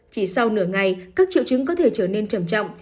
chỉ sau nửa ngày các triệu chứng có thể trở nên trầm trọng